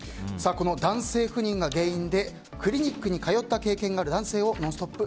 この男性不妊が原因でクリニックに通った経験がある男性を「ノンストップ！」